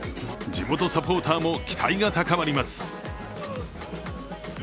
地元サポーターも期待が高まります。